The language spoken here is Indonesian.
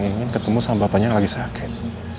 ingin ketemu sama bapaknya yang lagi sakit